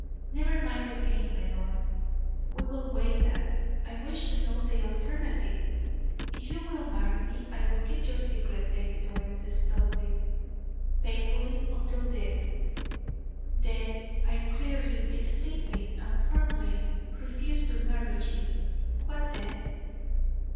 "Never mind the pain, my lord; we will waive that. I wish to know the alternative." "If you will marry me I will keep your secret, Lady Doris Studleigh, faithfully, until death." "Then I clearly, distinctly, and firmly refuse to marry you. What then?"